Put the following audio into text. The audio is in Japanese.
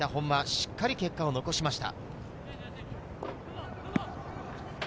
しっかり結果を残しました。